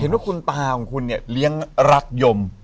ว่าคุณตาของคุณเนี่ยเลี้ยงรักยม